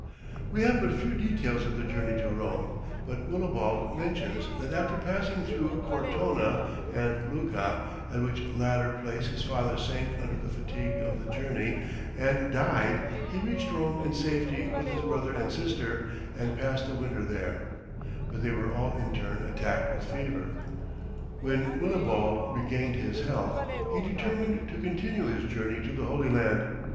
We have but few details of the journey to Rome, but Willibald mentions that after passing through Cortona and Lucca, at which latter place his father sank under the fatigue of the journey and died, he reached Rome in safety with his brother and sister, and passed the winter there, but they were all in turn attacked with fever. When Willibald regained his health, he determined to continue his journey to the Holy Land.